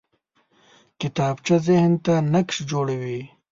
کتابچه ذهن ته نقش جوړوي